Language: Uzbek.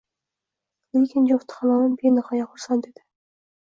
Lekin jufti halolim benihoya xursand edi